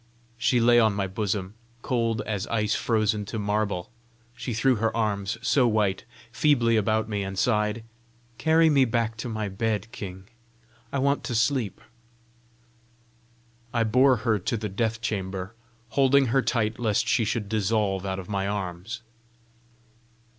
She lay on my bosom cold as ice frozen to marble. She threw her arms, so white, feebly about me, and sighed "Carry me back to my bed, king. I want to sleep." I bore her to the death chamber, holding her tight lest she should dissolve out of my arms.